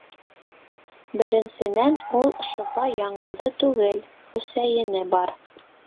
Беренсенән, ул шыпа яңғыҙы түгел - Хөсәйене бар.